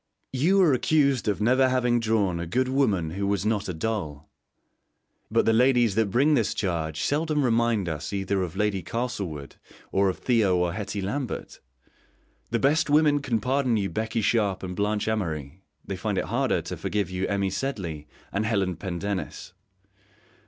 You are accused of never having drawn a good woman who was not a doll, but the ladies that bring this charge seldom remind us either of Lady Castlewood or of Theo or Hetty Lambert. The best women can pardon you Becky Sharp and Blanche Amory; they find it harder to forgive you Emmy Sedley and Helen Pendennis.